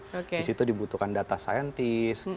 di situ dibutuhkan data saintis